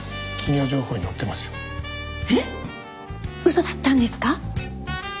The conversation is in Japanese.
嘘だったんですか？